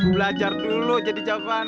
belajar dulu jadi jawaban